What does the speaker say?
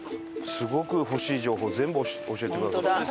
すごく欲しい情報全部教えてくださった。